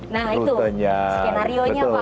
nah itu skenarionya pak